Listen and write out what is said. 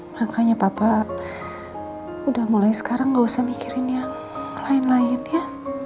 makanya papa udah mulai sekarang gak usah mikirin yang lain lain ya